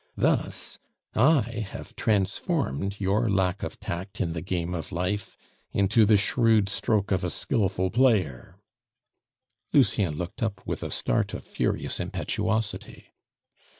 Thus I have transformed your lack of tact in the game of life into the shrewd stroke of a skilful player " Lucien looked up with a start of furious impetuosity.